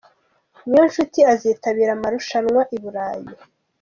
Niyonshuti azitabira amarushanwa i Burayi